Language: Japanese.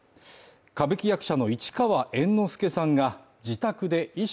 歌舞伎役者の市川猿之助さんが自宅で意識